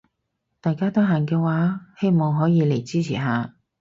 大家得閒嘅話希望可以嚟支持下